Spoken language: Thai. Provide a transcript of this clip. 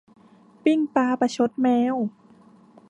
ปิ้งปลาประชดแมว